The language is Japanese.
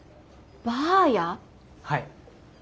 はい。